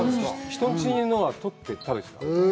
人んちのを取って食べてた。